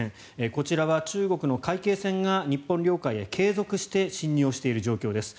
こちらは中国の海警船が日本領海に継続して侵入をしている状況です。